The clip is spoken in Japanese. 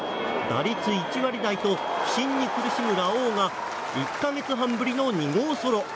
打率１割台と不振に苦しむラオウが１か月半ぶりの２号ソロ。